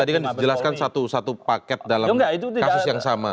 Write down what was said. tadi kan dijelaskan satu paket dalam kasus yang sama